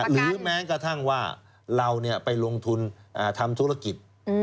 หรือแม้กระทั่งว่าเราไปลงทุนทำธุรกิจ